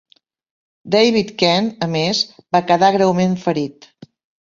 David Kent, a més, va quedar greument ferit.